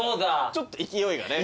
ちょっと勢いがね。